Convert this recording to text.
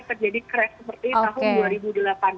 terjadi crash seperti tahun dua ribu delapan belas